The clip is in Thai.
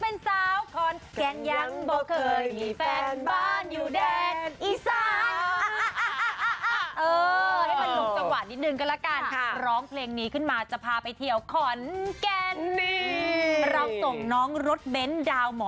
เป็นสาวขอนแก่นยังบอกเคยมีแฟนบ้านอยู่แดนอีสาน